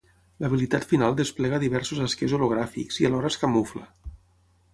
L'habilitat final desplega diversos esquers hologràfics i alhora es camufla.